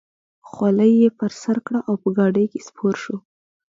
خولۍ یې پر سر کړه او په ګاډۍ کې سپور شو.